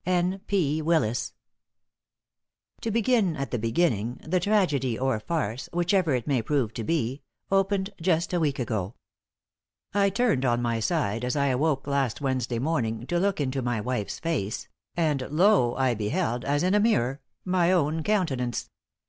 N. P. Willis. To begin at the beginning: the tragedy or farce whichever it may prove to be opened just a week ago. I turned on my side, as I awoke last Wednesday morning, to look into my wife's face, and, lo, I beheld, as in a mirror, my own countenance.